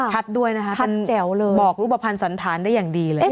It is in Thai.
ชัดด้วยนะคะบอกรูปภัณฑ์สันธารได้อย่างดีเลย